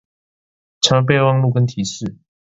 常用備忘跟提示